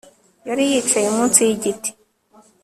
Yari yicaye munsi yigiti